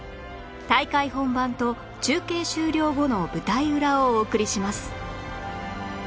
大会本番と中継終了後の舞台裏をお送りします